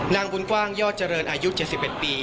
นางบุญกว้างยอดเจริญอายุ๗๑ปี